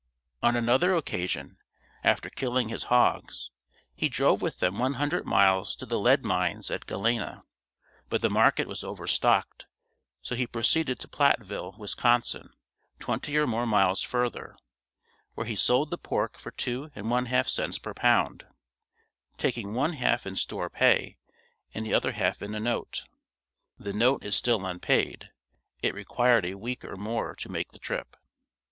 On another occasion, after killing his hogs, he drove with them one hundred miles to the lead mines at Galena, but the market was over stocked so he proceeded to Platteville, Wisconsin, twenty or more miles further, where he sold the pork for two and one half cents per pound, taking one half in store pay and the other half in a note. The note is still unpaid. It required a week or more to make the trip.